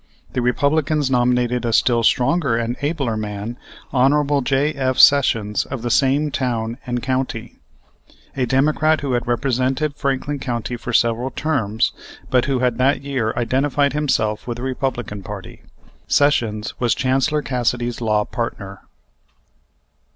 The Republicans nominated a still stronger and abler man, Hon. J.F. Sessions, of the same town and county, a Democrat who had represented Franklin County for several terms, but who had that year identified himself with the Republican party. Sessions was Chancellor Cassidy's law partner.